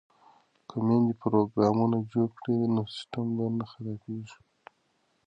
که میندې پروګرامونه جوړ کړي نو سیسټم به نه خرابیږي.